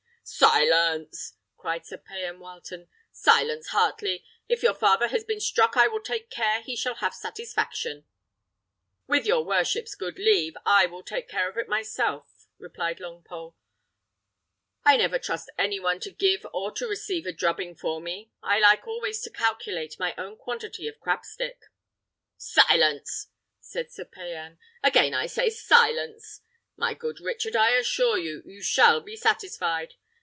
"Silence!" cried Sir Payan Wileton; "silence, Heartley! If your father has been struck, I will take care he shall have satisfaction." "With your worship's good leave, I will take care of it myself," replied Longpole. "I never trust any one to give or to receive a drubbing for me. I like always to calculate my own quantity of crabstick." "Silence!" said Sir Payan; "again I say, silence! My good Richard, I assure you, you shall be satisfied.